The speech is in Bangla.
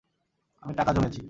আমি টাকা জমিয়েছি।